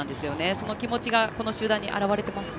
その気持ちがこの集団に表れていますね。